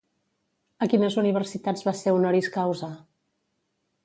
A quines universitats va ser honoris causa?